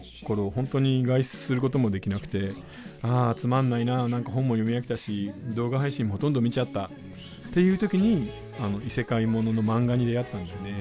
ホントに外出することもできなくて「あつまんないな何か本も読み飽きたし動画配信もほとんど見ちゃった」っていう時に異世界モノのマンガに出会ったんだよね。